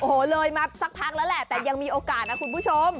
โอ้โหเลยมาสักพักแล้วแหละแต่ยังมีโอกาสนะคุณผู้ชม